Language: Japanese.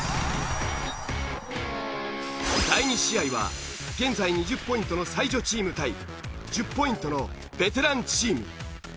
第２試合は現在２０ポイントの才女チーム対１０ポイントのベテランチーム。